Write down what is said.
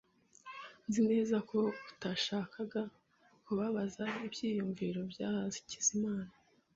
Nzi neza ko utashakaga kubabaza ibyiyumvo bya Hakizimana .